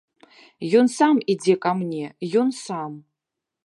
Ён сам ідзе ка мне, ён сам!